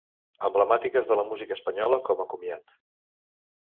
Emblemàtiques de la música espanyola com a comiat.